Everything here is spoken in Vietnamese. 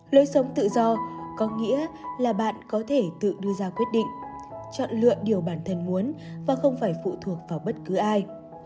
lối sống tự do có nghĩa là bạn có thể tự đưa ra quyết định chọn lựa điều bản thân muốn và không phải phụ thuộc vào bất cứ ai